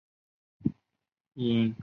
因此辉钼矿易解理。